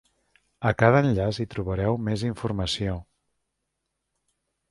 A cada enllaç hi trobareu més informació.